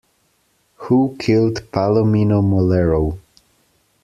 Who Killed Palomino Molero?